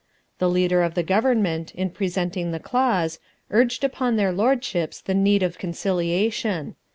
The Leader of the Government in presenting the clause urged upon their Lordships the need of conciliation.